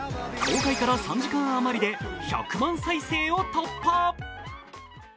公開から３時間余りで１００万再生を突破。